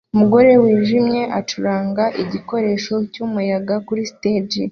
Umugore wijimye acuranga igikoresho cyumuyaga kuri stage